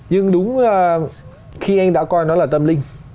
nhưng đúng khi anh đã coi nó là tâm linh